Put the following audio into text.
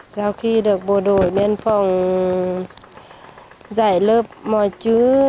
sau khi được bộ đội biên phòng giải lớp mọi chữ